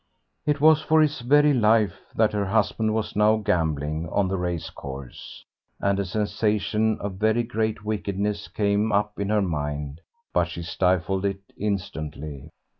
It was for his very life that her husband was now gambling on the race course, and a sensation of very great wickedness came up in her mind, but she stifled it instantly.